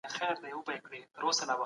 موږ بايد د فکري بيدارۍ لپاره هڅه وکړو.